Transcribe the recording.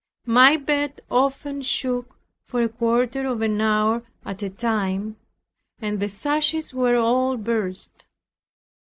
My bed often shook for a quarter of an hour at a time, and the sashes were all burst.